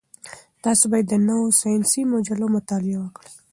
تاسي باید د نویو ساینسي مجلو مطالعه وکړئ.